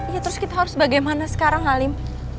ya terus kita harus bagaimana sekarang halim